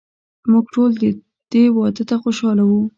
موږ ټول دې واده ته خوشحاله وو.